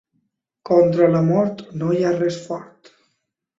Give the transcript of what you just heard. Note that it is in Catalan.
Contra la mort no hi ha res fort.